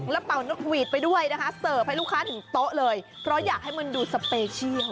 แล้วเป่านกหวีดไปด้วยนะคะเสิร์ฟให้ลูกค้าถึงโต๊ะเลยเพราะอยากให้มันดูสเปเชียล